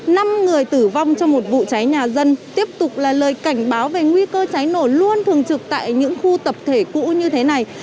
năm người tử vong trong một vụ cháy nhà dân tiếp tục là lời cảnh báo về nguy cơ cháy nổ luôn thường trực tại những khu tập thể cũ như thế này